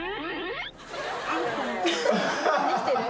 できてる？